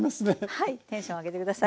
はいテンション上げて下さい。